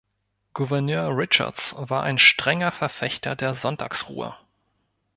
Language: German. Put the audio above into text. Gouverneur Richards war ein strenger Verfechter der Sonntagsruhe.